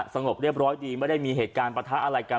สงบเรียบร้อยดีไม่ได้มีเหตุการณ์ประทะอะไรกัน